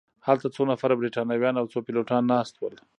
هلته څو نفره بریتانویان او څو پیلوټان ناست ول.